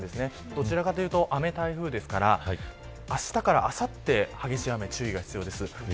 どちらかというと雨台風ですからあしたからあさって激しい雨に注意が必要です。